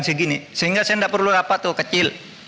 segini sehingga saya gak perlu apa tuh kecil